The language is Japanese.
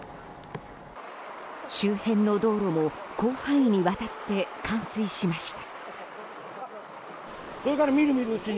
周辺の道路も広範囲にわたって冠水しました。